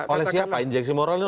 oleh siapa injeksi moral